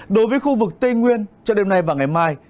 đối với khu vực tây nguyên cho đêm nay và ngày mai